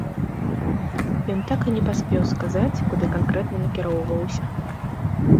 Ён так і не паспеў сказаць, куды канкрэтна накіроўваўся.